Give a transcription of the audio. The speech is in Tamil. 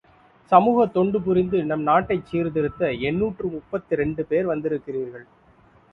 சமூகத் தொண்டு புரிந்து நம் நாட்டைச் சீர்த் திருத்த எண்ணூற்று முப்பத்திரண்டு பேர் வந்திருக்கிறீர்கள்.